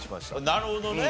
なるほどね。